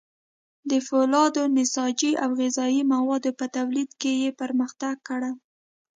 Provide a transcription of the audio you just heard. د فولادو، نساجي او غذايي موادو په تولید کې یې پرمختګ کړی.